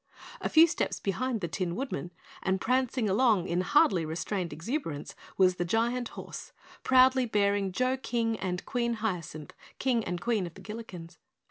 A few steps behind the Tin Woodman, and prancing along in hardly restrained exuberance, was the Giant Horse, proudly bearing Joe King and Queen Hyacinth, King and Queen of the Gillikens.